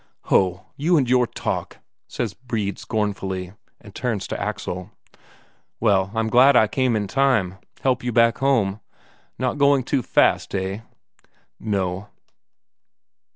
"Ho, you and your talk!" says Brede scornfully, and turns to Axel: "Well, I'm glad I came in time help you back home. Not going too fast, eh?" "No."